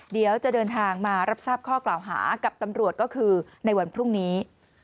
เดี๋ยวจะเดินทางมารับทราบข้อกล่าวหากับตำรวจก็คือในวันพรุ่งนี้